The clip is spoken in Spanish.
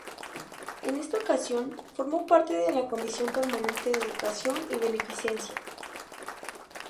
En esta ocasión, formó parte de la comisión permanente de Educación y Beneficencia.